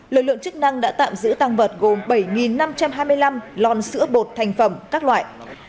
lực lượng chức năng đã tạm giữ tăng vật gồm bảy năm trăm hai mươi năm lon sữa bột thành phẩm các loại